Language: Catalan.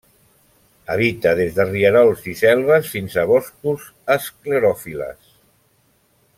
Habita des de rierols i selves fins a boscos esclerofil·les.